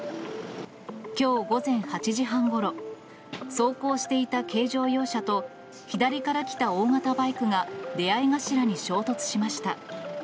きょう午前８時半ごろ、走行していた軽乗用車と左から来た大型バイクが出会い頭に衝突しました。